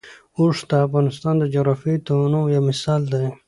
اوښ د افغانستان د جغرافیوي تنوع یو مثال دی.